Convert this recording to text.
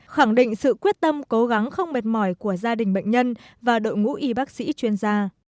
khẳng định sự quyết tâm cố gắng không mệt mỏi của gia đình bệnh nhân và đội ngũ y bác sĩ chuyên gia